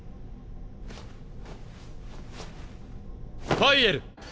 ファイエル。